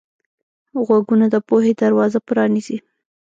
غوږونه د پوهې دروازه پرانیزي